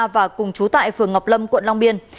và cùng trú tại phường ngọc lâm quận long biên